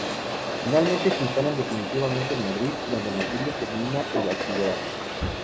Finalmente se instalan definitivamente en Madrid, donde Matilde termina el Bachillerato.